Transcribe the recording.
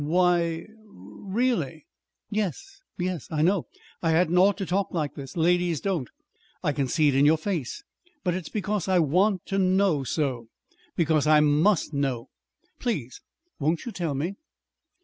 "Why er really " "Yes, yes, I know. I hadn't ought to talk like this. Ladies don't. I can see it in your face. But it's because I want to know so because I must know. Please, won't you tell me?"